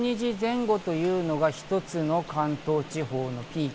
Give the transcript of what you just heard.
１２時前後というのが一つの関東地方のピーク。